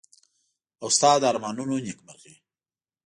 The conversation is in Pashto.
او ستا د ارمانونو نېکمرغي.